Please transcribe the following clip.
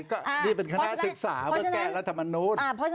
ก็รีบเป็นคณะศึกษาว่าแก้รัฐมนุน